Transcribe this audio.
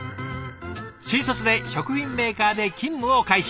「新卒で食品メーカーで勤務を開始。